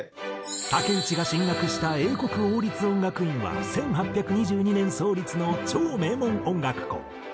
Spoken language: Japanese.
竹内が進学した英国王立音楽院は１８２２年創立の超名門音学校。